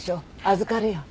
預かるよ。